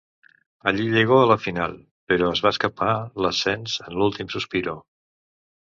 Allí llegó a la final, però es va escapar l'ascens en l'últim sospiro.